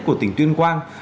của tỉnh tuyên quang